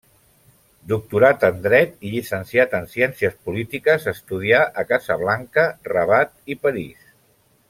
Doctorat en Dret i llicenciat en Ciències Polítiques, estudià a Casablanca, Rabat i París.